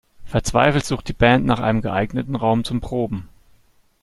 Verzweifelt sucht die Band nach einem geeigneten Raum zum Proben.